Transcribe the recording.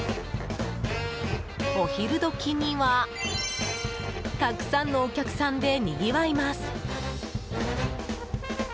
お昼時には、たくさんのお客さんでにぎわいます。